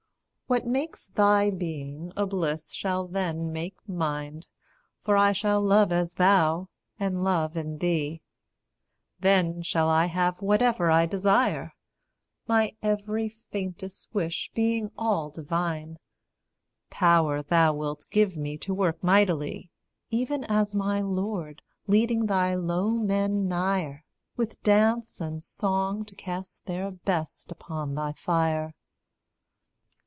What makes thy being a bliss shall then make mind For I shall love as thou, and love in thee; Then shall I have whatever I desire, My every faintest wish being all divine; Power thou wilt give me to work mightily, Even as my Lord, leading thy low men nigher, With dance and song to cast their best upon thy fire.